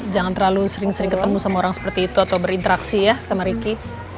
jangan terlalu sering sering ketemu sama orang seperti itu atau berinteraksi ya sama ricky